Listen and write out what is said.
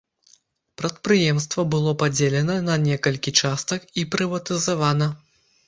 Прадпрыемства было падзелена на некалькі частак і прыватызавана.